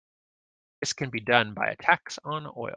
This can be done by a tax on oil.